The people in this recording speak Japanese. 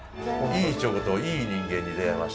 いいチョコといい人間に出会いました。